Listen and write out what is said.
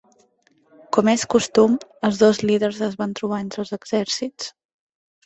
Com és costum, els dos líders es van trobar entre els exèrcits.